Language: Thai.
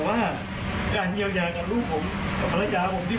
อยากได้ชีวิตลูกกลับมา